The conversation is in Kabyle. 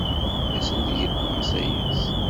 Ur asen-d-gellmeɣ asayes.